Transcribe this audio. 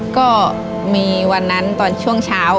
ก็มีวันนั้นตอนช่วงเช้า